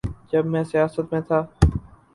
جب میں سیاست میں تھا۔